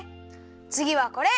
つぎはこれ！